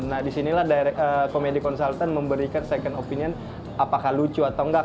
nah disinilah komedi konsultant memberikan second opinion apakah lucu atau enggak